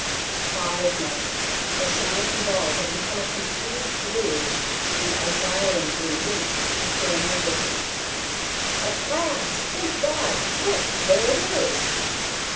Five minutes! The shining ball had become a confused blue, and I violently winked to clear my vision. "At last! Thank God! Look! There it is!"